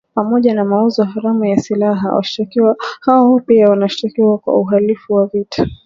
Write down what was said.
Pamoja na mauzo haramu ya silaha washtakiwa hao pia wanashtakiwa kwa uhalivu wa vita